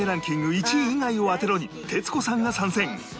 １位以外を当てろ！」に徹子さんが参戦！